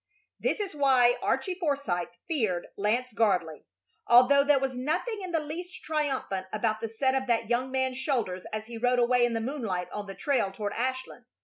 This is why Archie Forsythe feared Lance Gardley, although there was nothing in the least triumphant about the set of that young man's shoulders as he rode away in the moonlight on the trail toward Ashland.